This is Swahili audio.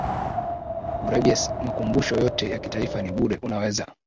burebies Makumbusho yote ya kitaifa ni bure unaweza